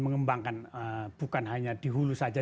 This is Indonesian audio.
mengembangkan bukan hanya dihulu saja